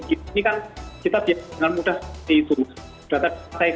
ini kan kita biasa dengan mudah menghitung data data itu